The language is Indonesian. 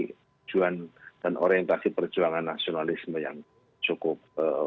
tujuan dan orientasi perjuangan nasionalisme yang cukup